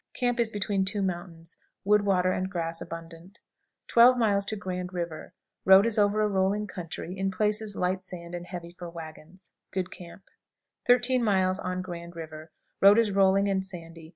Camp is between two mountains. Wood, water, and grass abundant. 12. Grand River. Road is over a rolling country; in places light sand and heavy for wagons. Good camp. 13. Grand River. Road is rolling and sandy.